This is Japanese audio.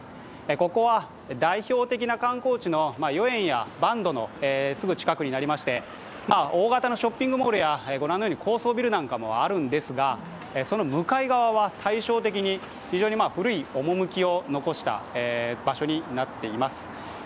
ここは代表的な観光地の豫園や外灘のすぐ近くになりまして、大型のショッピングモールやご覧のように高層ビルなんかもあるんですが、その向かい側は対照的に古い趣を残した場所になっています。